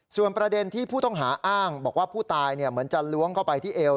ส่วนประเด็นที่ผู้ต้องหาอ้างบอกว่าผู้ตายเหมือนจะล้วงเข้าไปที่เอว